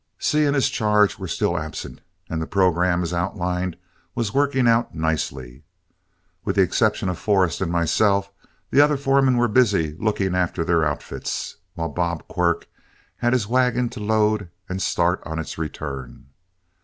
Seay and his charge were still absent, and the programme, as outlined, was working out nicely. With the exception of Forrest and myself, the other foremen were busy looking after their outfits, while Bob Quirk had his wagon to load and start on its return.